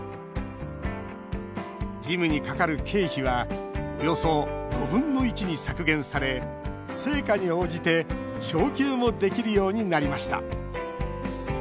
事務にかかる経費はおよそ５分の１に削減され成果に応じて昇給もできるようになりました。